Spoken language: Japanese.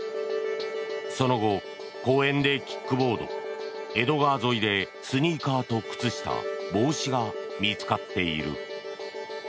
その後、公園でキックボード江戸川沿いでスニーカーと靴下、帽子が見つかっている。